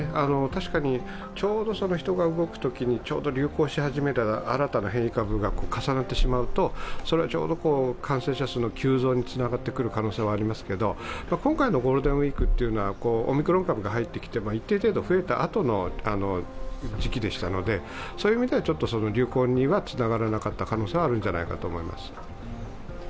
確かにちょうど人が動くときにちょうど流行し始めたら新たな変異株が重なってしまうとちょうど感染者数の急増につながってくる可能性はありますが今回のゴールデンウイークはオミクロン株が入ってきて、一定程度、増えたあとの時期でしたので、そういう意味では、流行にはつながらなかった可能性はあるんじゃないかと思います。